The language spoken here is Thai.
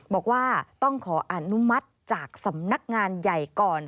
บอกว่าต้องขออนุมัติจากสำนักงานใหญ่ก่อน